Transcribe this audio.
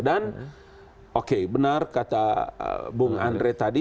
dan oke benar kata bung andre tadi